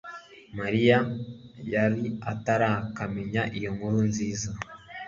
Mariya yari atarakamenya iyo nkuru nziza.